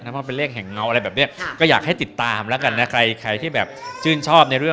ไม่ว่าเป็นเลขแห่งเงาอะไรแบบนี้